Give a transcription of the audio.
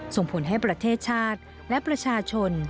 ส่งผลให้ประเทศชาติและประชาชน